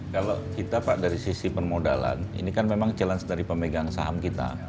kalau kita pak dari sisi permodalan ini kan memang challenge dari pemegang saham kita